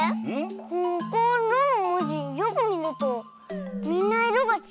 「ココロ」のもじよくみるとみんないろがちがうよ。